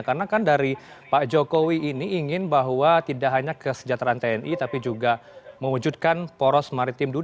karena kan dari pak jokowi ini ingin bahwa tidak hanya kesejahteraan tni tapi juga mewujudkan poros maritim